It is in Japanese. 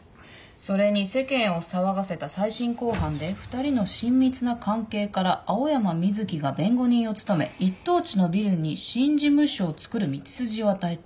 それに世間を騒がせた再審公判で２人の親密な関係から青山瑞希が弁護人を務め一等地のビルに新事務所をつくる道筋を与えた。